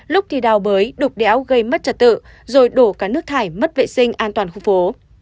lúc thì đào bới đục đẽo gây mất trật tự rồi đổ cả nước thải mất vệ sinh an toàn khu phố